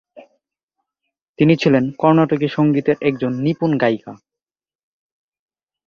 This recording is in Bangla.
তিনি ছিলেন কর্ণাটকী সংগীতের একজন নিপুণ গায়িকা।